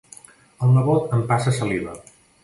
El nebot empassa saliva.